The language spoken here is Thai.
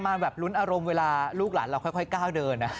แบบลุ้นอารมณ์เวลาลูกหลานเราค่อยก้าวเดิน